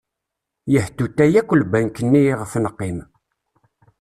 Yehtuta yakk lbenk-nni iɣef neqqim.